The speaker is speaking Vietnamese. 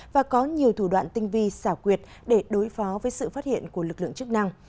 và có nhiều thủ đoạn tinh vi xảo quyệt để đối phó với sự phát hiện của lực lượng chức năng